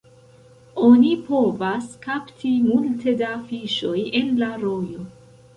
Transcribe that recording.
Oni povas kapti multe da fiŝoj en la rojo.